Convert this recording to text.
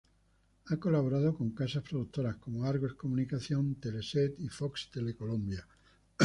Ha colaborado con casas productoras como Argos Comunicación, Teleset y Fox Telecolombia.